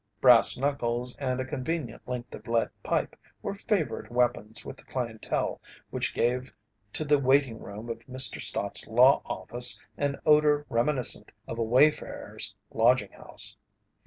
Brass knuckles and a convenient length of lead pipe were favourite weapons with the clientele which gave to the waiting room of Mr. Stott's law office an odour reminiscent of a Wayfarers' Lodging House.